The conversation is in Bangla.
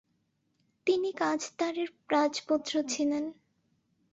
তিনি কাজদারের রাজপুত্র ছিলেন।